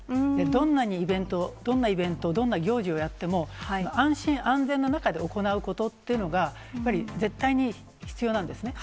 どんなにイベント、どんなイベント、どんな行事をやっても、安心安全の中で行うことっていうのが、やっぱり絶対に必要なんですね。